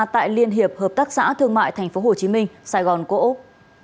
tại liên hiệp hợp tác xã thương mại tp hcm sài gòn cổ úc